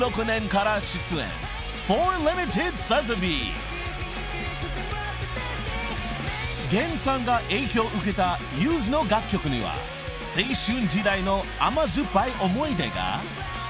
［ＧＥＮさんが影響を受けたゆずの楽曲には青春時代の甘酸っぱい思い出が］